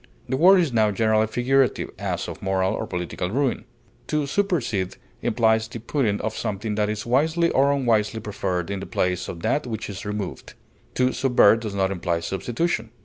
The word is now generally figurative, as of moral or political ruin. To supersede implies the putting of something that is wisely or unwisely preferred in the place of that which is removed; to subvert does not imply substitution.